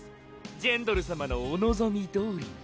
ジェンドル様のお望みどおりに。